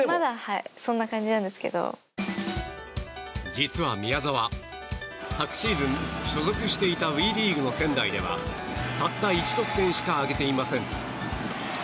実は宮澤昨シーズン所属していたＷＥリーグの仙台ではたった１得点しか挙げていません。